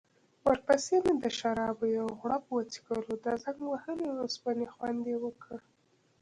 ورپسې مې د شرابو یو غوړپ وڅکلو، د زنګ وهلې اوسپنې خوند يې وکړ.